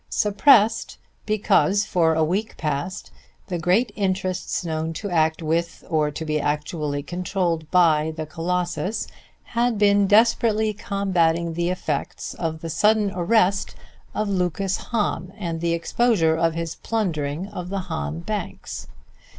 Suppressed: because for a week past the great interests known to act with or to be actually controlled by the Colossus had been desperately combating the effects of the sudden arrest of Lucas Hahn, and the exposure of his plundering of the Hahn banks.